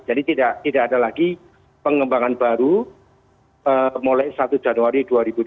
jadi tidak ada lagi pengembangan baru mulai satu januari dua ribu dua puluh satu